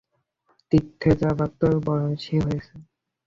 তীর্থে যাবার তো বয়সই হয়েছে।